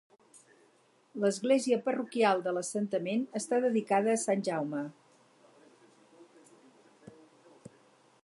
L'església parroquial de l'assentament està dedicada a Sant Jaume.